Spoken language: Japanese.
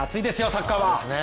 サッカーは。